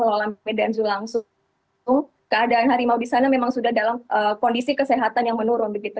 pengelola medan zoo langsung keadaan harimau di sana memang sudah dalam kondisi kesehatan yang menurun begitu